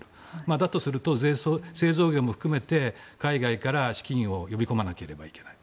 だとすると製造業も含めて海外から資金を呼び込まなければいけない。